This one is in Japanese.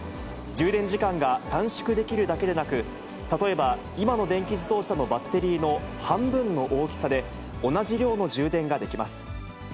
充電時間が短縮できるだけでなく、例えば、今の電気自動車のバッテリーの半分の大きさで、同じ量の充電ができます。